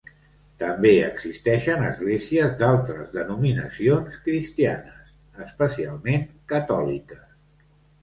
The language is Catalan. També existeixen esglésies d'altres denominacions cristianes, especialment catòliques.